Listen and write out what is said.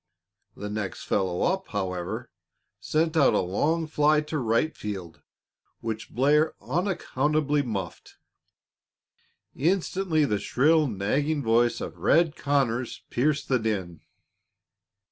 The next fellow up, however, sent out a long fly to right field which Blair unaccountably muffed. Instantly the shrill, nagging voice of "Red" Conners pierced the din.